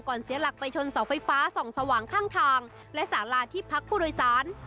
เสียหลักไปชนเสาไฟฟ้าส่องสว่างข้างทางและสาลาที่พักผู้โดยสาร